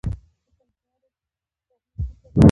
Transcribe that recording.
د ګلدرې باغونه توت لري.